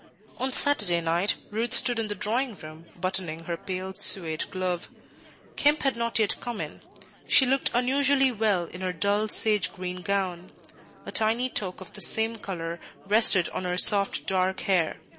On Saturday night Ruth stood in the drawing room buttoning her pale suede glove. Kemp had not yet come in. She looked unusually well in her dull sage green gown. A tiny toque of the same color rested on her soft dark hair.